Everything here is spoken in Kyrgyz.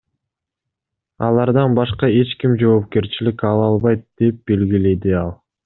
Алардан башка эч ким жоопкерчилик ала албайт, — деп белгиледи ал.